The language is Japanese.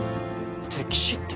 溺死って。